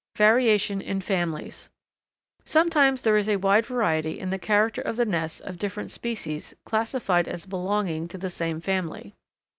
Variation in Families. Sometimes there is wide variety in the character of the nests of different species classified as belonging to the same family.